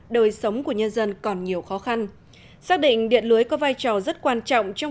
đời sống của nhân dân còn nhiều khó khăn xác định điện lưới có vai trò rất quan trọng trong